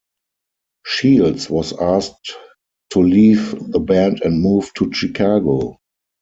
Shields was asked to leave the band and moved to Chicago.